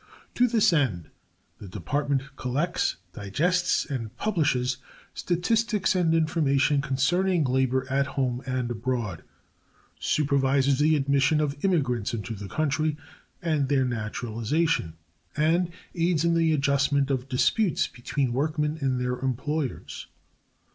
To this end the Department collects, digests and publishes statistics and information concerning labor at home and abroad; supervises the admission of immigrants into the country and their naturalization; and aids in the adjustment of disputes between workmen and their employers.